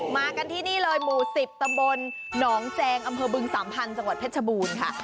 มากันที่นี่เลยหมู่๑๐ตำบลหนองแจงอำเภอบึงสามพันธุ์จังหวัดเพชรบูรณ์ค่ะ